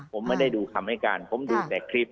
ผมไม่ได้ดูคำให้การผมดูแต่คลิป